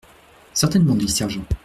Certainement, dit le sergent.